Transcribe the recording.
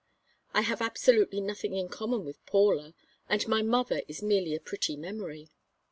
I have absolutely nothing in common with Paula, and my mother is merely a pretty memory.